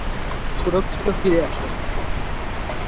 সুরক্ষিত ফিরে এসো।